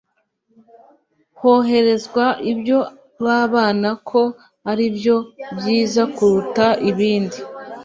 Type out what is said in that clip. Hoherezwa ibyo babona ko ari byo byiza kuruta ibindi